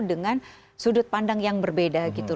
dengan sudut pandang yang berbeda gitu